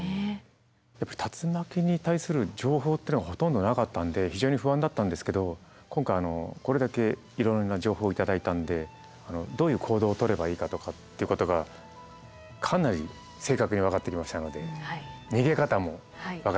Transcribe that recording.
やっぱ竜巻に対する情報っていうのはほとんどなかったんで非常に不安だったんですけど今回これだけいろんな情報を頂いたんでどういう行動を取ればいいかとかっていうことがかなり正確に分かってきましたので逃げ方も分かりましたんで。